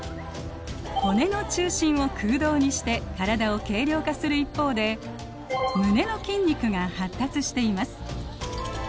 骨の中心を空洞にして体を軽量化する一方で胸の筋肉が発達しています。